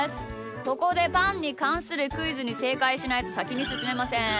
ここでパンにかんするクイズにせいかいしないとさきにすすめません。